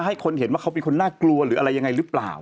ให้คนเห็นว่าเขาเป็นคนน่ากลัวหรืออะไรยังไงหรือเปล่า